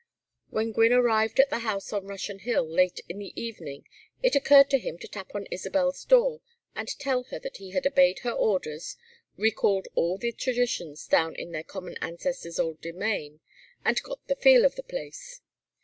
When Gwynne arrived at the house on Russian Hill late in the evening it occurred to him to tap on Isabel's door and tell her that he had obeyed her orders, recalled all the traditions down in their common ancestor's old domain, and "got the feel" of the place.